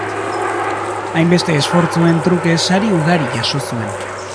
Hainbeste esfortzuen truke sari ugari jaso zuen.